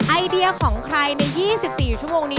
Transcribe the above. ไอเดียของใครใน๒๔ชั่วโมงนี้